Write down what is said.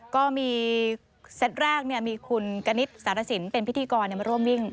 ก็มีเซตแรกมีคุณกณิตสารสินเป็นพิธีกรมาร่วมวิ่ง